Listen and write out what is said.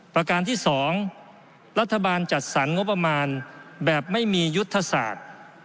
ประการที่๒รัฐบาลจัดสรรงบประมาณแบบไม่มียุทธศาสตร์